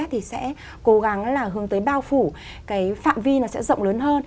thì sẽ cố gắng là hướng tới bao phủ cái phạm vi nó sẽ rộng lớn hơn